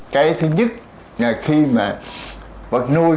cái thứ nhất là khi mà vật nuôi